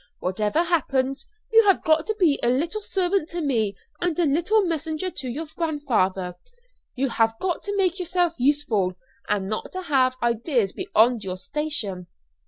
Whatever happens, you have got to be a little servant to me and a little messenger to your grandfather. You have got to make yourself useful, and not to have ideas beyond your station."